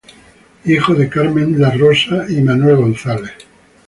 Hijo de Manuel González y Carmen La Rosa.